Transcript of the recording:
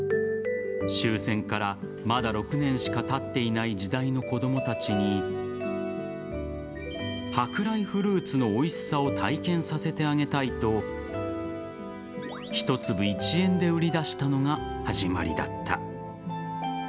終戦からまだ６年しかたっていない時代の子供たちに舶来フルーツのおいしさを体験させてあげたいと１粒１円で売り出したのが始まりだった。